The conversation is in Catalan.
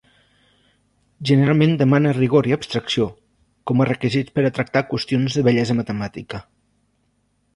Generalment demana rigor i abstracció, com a requisits per a tractar qüestions de bellesa matemàtica.